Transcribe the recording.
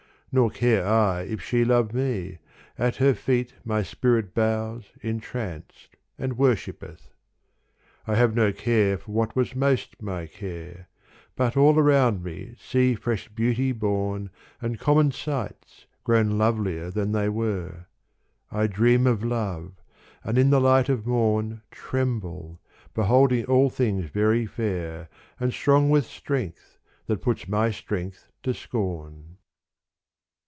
Nor care I if she love me : at her feet My spirit bows entranced and worshippeth. I have no care for what was most my care But all around me see fresh beauty born And common sights grown lovelier than they were : I dream of love, and in the light of morn Tremble beholding all things very fair And strong with strength that puts my strength to scorn.